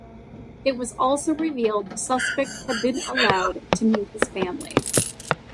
It was also revealed the suspect had been allowed to meet his family.